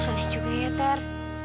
aneh juga ya ter